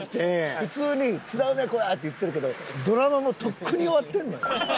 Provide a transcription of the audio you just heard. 普通に「津田梅子や！」って言ってるけどドラマもうとっくに終わってるのよ。